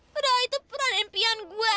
padahal itu peran impian gue